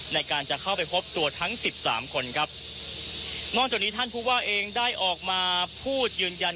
ในการจะเข้าไปพบตัวทั้งสิบสามคนครับนอกจากนี้ท่านผู้ว่าเองได้ออกมาพูดยืนยัน